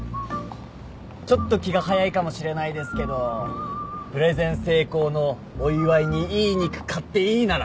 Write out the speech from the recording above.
ちょっと気が早いかもしれないですけどプレゼン成功のお祝いにいい肉買っていいなら。